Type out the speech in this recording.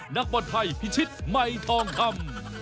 นักบอลไทยพิชิตใหม่ทองคำ